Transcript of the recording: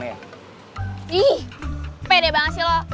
ih pede banget sih lo